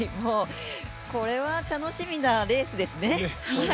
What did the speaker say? これは楽しみなレースですね。